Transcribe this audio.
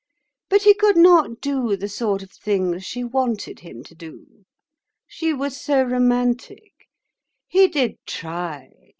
But he could not do the sort of things she wanted him to do; she was so romantic. He did try.